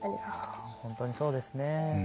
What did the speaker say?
本当にそうですね。